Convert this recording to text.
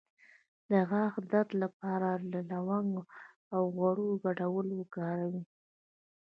د غاښ د درد لپاره د لونګ او غوړیو ګډول وکاروئ